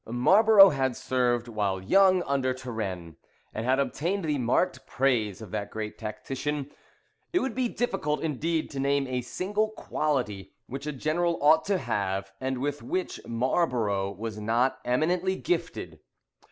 Marlborough had served while young under Turenne, and had obtained the marked praise of that great tactician. It would be difficult, indeed, to name a single quality which a general ought to have, and with which Marlborough was not eminently gifted.